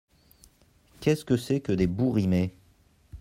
Qu’est-ce que c’est que des bouts-rimés ?